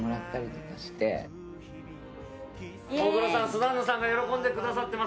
大黒さんスザンヌさんが喜んでくださってます。